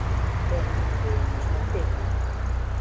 Ben, pois mantéñoo.